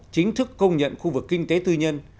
chính thức công nhận khu vực kinh tế tư nhân